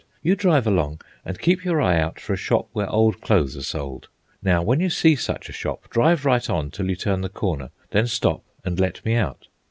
"You drive along and keep your eye out for a shop where old clothes are sold. Now, when you see such a shop, drive right on till you turn the corner, then stop and let me out."